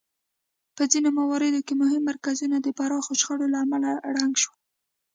په ځینو مواردو کې مهم مرکزونه د پراخو شخړو له امله ړنګ شول